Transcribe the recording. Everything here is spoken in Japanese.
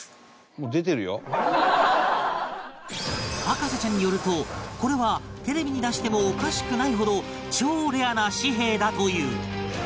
博士ちゃんによるとこれはテレビに出してもおかしくないほど超レアな紙幣だという